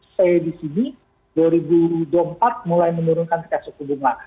set di sini dua ribu empat mulai menurunkan set suku bunga